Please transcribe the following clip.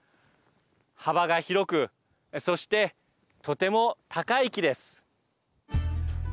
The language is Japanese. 幅が広くそして、とても高い木です。